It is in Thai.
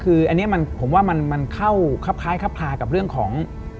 คืออันนี้ผมว่ามันเข้าครับคล้ายครับคลากับเรื่องของ